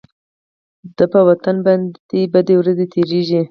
د په وطن بدې ورځې تيريږي.